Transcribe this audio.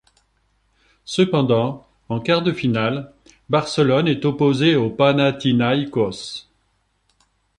Cependant, en quart de finale, Barcelone est opposé au Panathinaïkos.